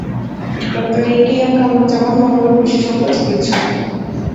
Doctor A K M Kamruzzaman মনোরোগ বিশেষজ্ঞ চিকিৎসক।